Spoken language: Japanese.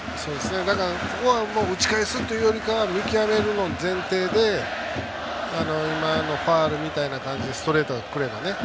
ここは打ち返すというよりかは見極めるの前提で今のファウルみたいな感じでストレートがくればね。